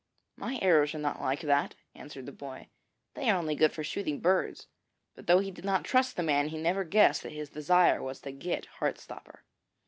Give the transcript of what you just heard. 'My arrows are not like that,' answered the boy. 'They are only good for shooting birds;' but though he did not trust the man, he never guessed that his desire was to get Heart stopper.